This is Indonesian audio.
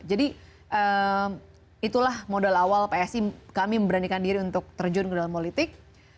jadi itulah modal awal psi kami memberanikan diri untuk terjun ke dalam politik